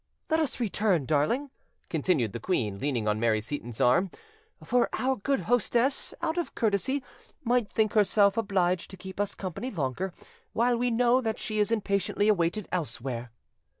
Let us return, darling," continued the queen, leaning on Mary Seyton's arm; "for our good hostess, out of courtesy, might think herself obliged to keep us company longer, while we know that she is impatiently awaited elsewhere."